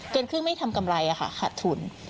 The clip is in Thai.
เกินครึ่งไม่ได้ทำกำไรค่ะขาดทุน